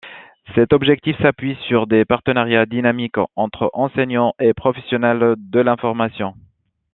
Cet objectif s’appuie sur des partenariats dynamiques entre enseignants et professionnels de l’information.